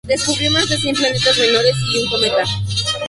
Descubrió más de cien planetas menores y un cometa.